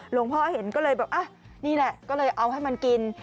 หลวงพ่อเห็นก็เลยเอาให้มันกิน